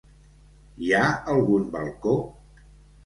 Hi ha algun balcó?